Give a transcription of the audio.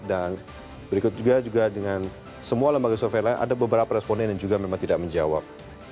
dan berikut juga dengan semua lembaga survei lain ada beberapa responden yang juga memang tidak menjawab